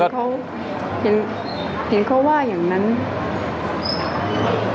เห็นเขาว่าอย่างนั้น